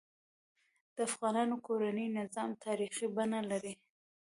د افغانانو کورنۍ نظام تاریخي بڼه لري.